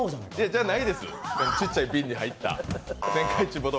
じゃないです、ちっちゃい瓶に入った。